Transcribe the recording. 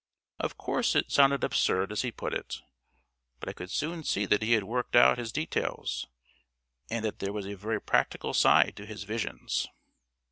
Of course it sounded absurd as he put it; but I could soon see that he had worked out his details, and that there was a very practical side to his visions.